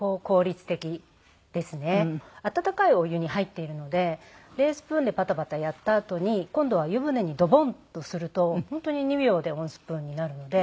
温かいお湯に入っているので冷スプーンでパタパタやったあとに今度は湯船にドボンとすると本当に２秒で温スプーンになるので。